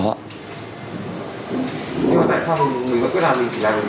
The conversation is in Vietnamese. tại sao mình vẫn quyết định